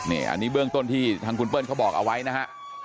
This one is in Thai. นี่อันนี้เบื้องต้นที่ทางคุณเปิ้ลเขาบอกเอาไว้นะฮะ